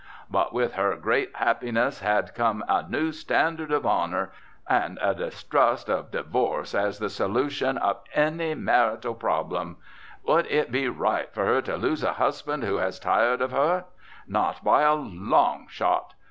But with her great happiness had come a new standard of honour, and a distrust of divorce as the solution of any marital problem. Would it be right for her to lose a husband who has tired of her? Not by a long shot!